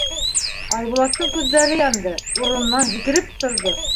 Айбулаттың күҙҙәре янды, урынынан һикереп торҙо.